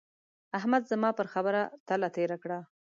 احمد زما پر خبره تله تېره کړه.